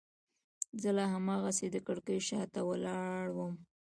زه لا هماغسې د کړکۍ شاته ولاړ وم.